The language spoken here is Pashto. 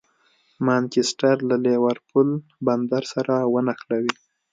مانچسټر له لېورپول بندر سره ونښلوي.